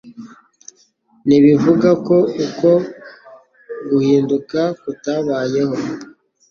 ntibivuga ko uko guhinduka kutabayeho.